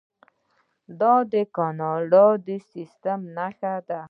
دا د کاناډا د سیستم نښه ده.